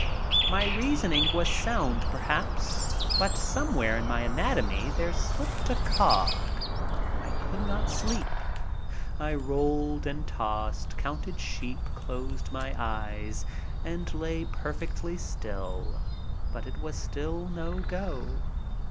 My reasoning was sound, perhaps, but somewhere in my anatomy there slipped a cog. I could not sleep. I rolled and tossed, counted sheep, closed my eyes and lay perfectly still, but it was no go.